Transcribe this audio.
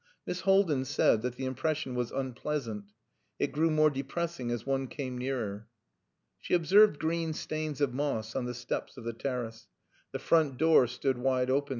Miss Haldin said that the impression was unpleasant. It grew more depressing as one came nearer. She observed green stains of moss on the steps of the terrace. The front door stood wide open.